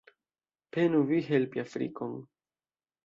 Penu vi helpi Afrikon.